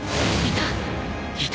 いた！